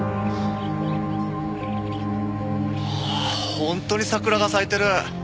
本当に桜が咲いてる。